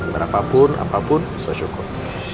berapapun apapun bersyukur